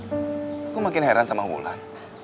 aku makin heran sama wulan